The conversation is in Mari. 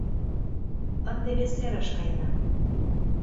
Ынде вес серыш каена.